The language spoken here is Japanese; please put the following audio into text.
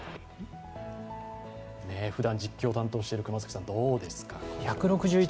ふだん実況を担当している熊崎さん